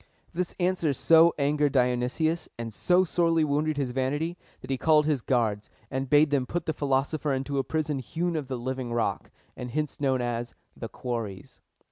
This answer so angered Dionysius, and so sorely wounded his vanity, that he called his guards, and bade them put the philosopher into a prison hewn out of the living rock, and hence known as "The Quarries."